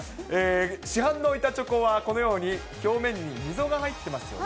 市販の板チョコはこのように、表面に溝が入ってますよね。